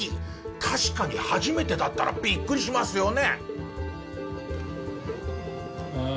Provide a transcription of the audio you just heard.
確かに初めてだったらビックリしますよね。